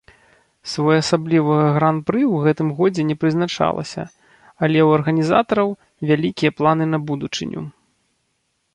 Своеасаблівага гран-пры ў гэтым годзе не прызначалася, але ў арганізатараў вялікія планы на будучыню.